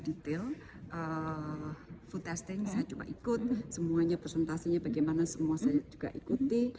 saya juga ikut di hotel food testing saya juga ikut semuanya presentasinya bagaimana semua saya juga ikuti